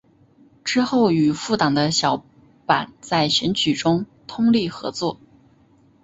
之后与复党的小坂在选举中通力合作。